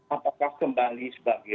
apakah kembali sebagai